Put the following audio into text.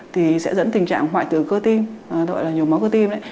thì sẽ dẫn tình trạng hoại tử cơ tim gọi là nhồi máu cơ tim